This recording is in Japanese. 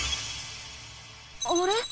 あれ？